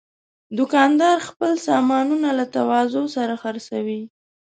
دوکاندار خپل سامانونه له تواضع سره خرڅوي.